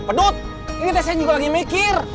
pedut ini teh saya juga lagi mikir